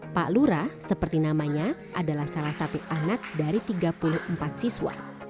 pak lurah seperti namanya adalah salah satu anak dari tiga puluh empat siswa